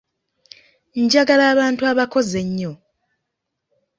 Njagala abantu abakozi ennyo.